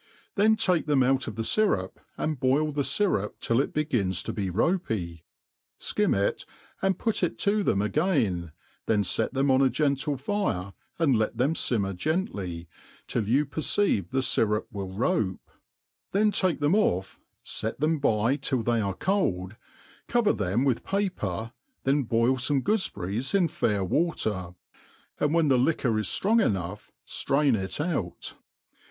Then take them out of the fyrup, and boil the fyrup till it be gins to be ropy ; (kim it, and p^it it to tbem again, then fet them on a gentle fire, and let them fimmer gently, till you perceive the fyrup will rope ; then take them off, fet them by till they are cold, cover them with paper;^then boil fome goofeberries in fair water, and when the liquor is ftronc enough, ftrain it out.